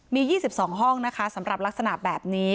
มี๒๒ห้องนะคะสำหรับลักษณะแบบนี้